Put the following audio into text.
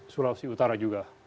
sulawesi utara juga